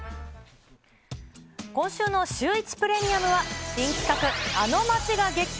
今週のシューイチプレミアムは新企画、あの街が激変！